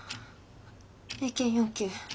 英検４級。